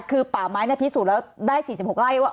คือป่าไม้พิสูจน์แล้วได้๔๖ไร่ว่า